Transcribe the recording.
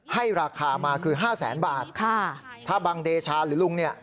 ให้ราคามาคือห้าแสนบาทค่ะถ้าบังเดชาหรือลุงเนี่ย